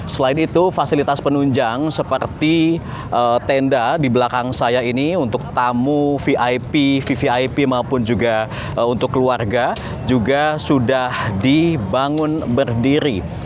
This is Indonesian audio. selain itu fasilitas penunjang seperti tenda di belakang saya ini untuk tamu vip vvip maupun juga untuk keluarga juga sudah dibangun berdiri